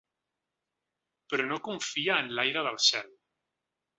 Però no confia en l’aire del cel.